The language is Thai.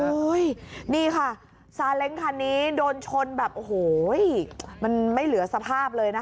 นี่ค่ะซาเล้งคันนี้โดนชนแบบโอ้โหมันไม่เหลือสภาพเลยนะคะ